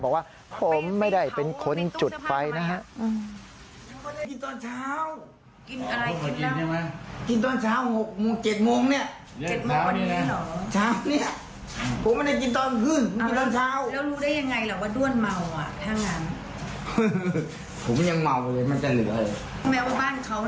บอกว่าผมไม่ได้เป็นคนจุดไฟนะฮะ